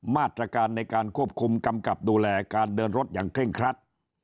มาตรการในการควบคุมกำกับดูแลการเดินรถอย่างเคร่งครัด